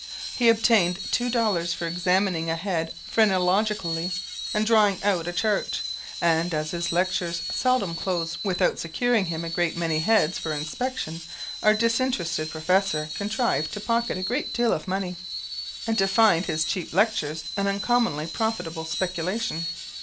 He obtained two dollars for examining a head phrenologically, and drawing out a chart; and as his lectures seldom closed without securing him a great many heads for inspection, our disinterested professor contrived to pocket a great deal of money, and to find his cheap lectures an uncommonly profitable speculation.